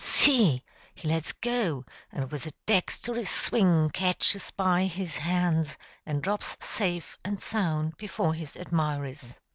See! he lets go, and with a dexterous swing catches by his hands, and drops safe and sound before his admirers.